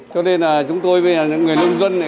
cho nên chúng tôi và người nông dân